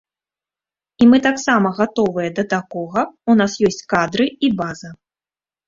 І мы таксама гатовыя да такога, у нас ёсць кадры і база.